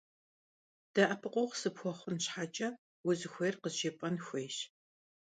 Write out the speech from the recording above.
De'epıkhueğu sıpxuexhun şheç'e vuzıxuêyr khızjjêp'en xuêyş.